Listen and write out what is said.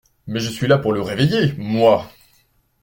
Mais je suis là pour le réveiller, moi !